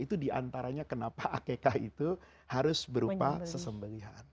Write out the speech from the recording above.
itu diantaranya kenapa akekah itu harus berupa sesembelihan